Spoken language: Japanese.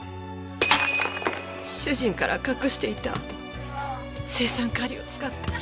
主人から隠していた青酸カリを使って。